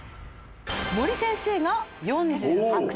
森先生が４８点。